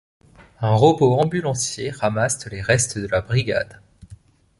Un robot ambulancier ramasse les restes de la brigade.